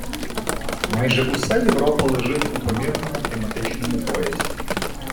Майже уся Європа лежить у помірному кліматичному поясі.